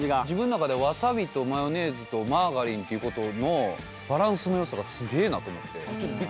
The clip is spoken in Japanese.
自分の中でワサビとマヨネーズとマーガリンっていうことのバランスの良さがすげえなと思って。